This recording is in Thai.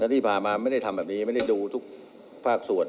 ที่ผ่านมาไม่ได้ทำแบบนี้ไม่ได้ดูทุกภาคส่วน